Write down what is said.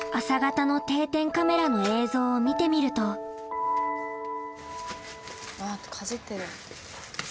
朝方の定点カメラの映像を見てみるとかじってる。